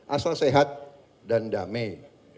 asal sehat dan damai